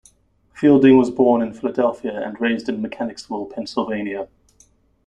Fielding was born in Philadelphia and raised in Mechanicsville, Pennsylvania.